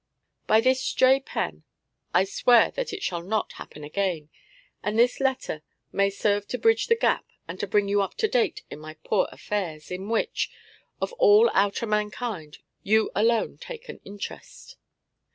By this J pen I swear that it shall not happen again; and this letter may serve to bridge the gap and to bring you up to date in my poor affairs, in which, of all outer mankind, you alone take an interest.